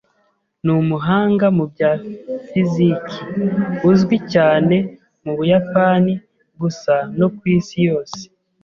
Ni umuhanga mu bya fiziki uzwi cyane mu Buyapani gusa no ku isi yose.